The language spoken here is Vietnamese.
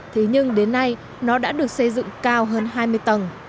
thế nhưng đến nay nó đã được xây dựng cao hơn hai mươi tầng